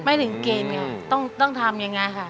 ไม่ถึงเกณฑ์ไงต้องทำอย่างไรค่ะ